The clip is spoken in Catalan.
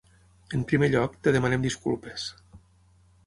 En primer lloc, et demanem disculpes.